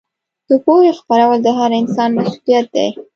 د پوهې خپرول د هر انسان مسوولیت دی.